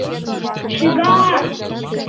Шӱгар!